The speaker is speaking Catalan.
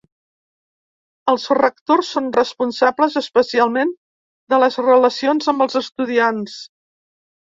Els rectors són responsables especialment de les relacions amb els estudiants.